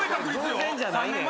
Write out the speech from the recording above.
これ偶然じゃないねん。